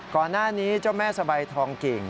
ก่อนหน้านี้เจ้าแม่สบายทองกิ่ง